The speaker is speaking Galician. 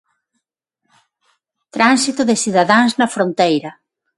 Tránsito de cidadáns na fronteira.